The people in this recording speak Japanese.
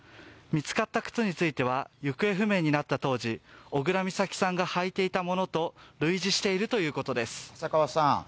見つかった靴については、行方不明になった当時、小倉美咲さんが履いていたものと類似しているということです。